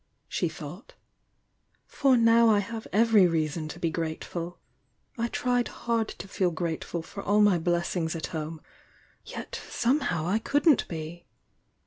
she thought. "For now I have every reason to be grateful. I tried hard to feel grateful for all my blessings at home, — yet somehow I couldn't be!